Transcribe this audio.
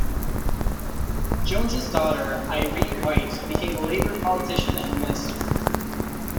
Jones's daughter, Eirene White, became a Labour politician and minister.